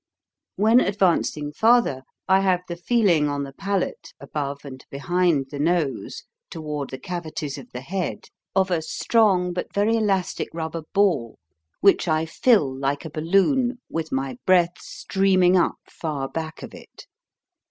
When advancing farther, I have the feeling on the palate, above and behind the nose, toward the cavities of the head, of a strong but very elastic rubber ball, which I fill like a balloon 62 HOW TO SING with my breath streaming up far back of it.